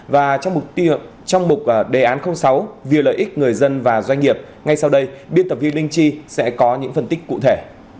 và trong mục đề án sáu vlx người dân và doanh nghiệp ngay sau đây biên tập vninh chi sẽ có những phân tích cụ thể